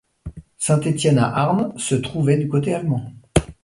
Saint-Étienne-à-Arnes se trouvait du côté allemand.